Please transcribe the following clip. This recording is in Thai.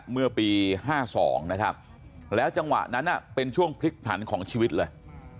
เมื่อปี๕๒นะครับแล้วจังหวะนั้นเป็นช่วงพลิกผลันของชีวิตเลย